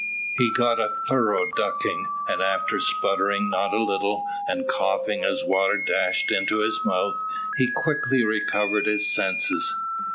He got a thorough ducking, and after spluttering not a little, and coughing as the water dashed into his mouth, he quickly recovered his senses.